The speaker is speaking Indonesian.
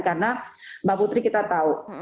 karena mbak putri kita tahu